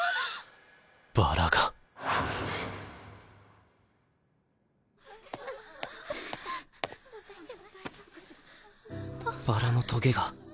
バラのトゲが。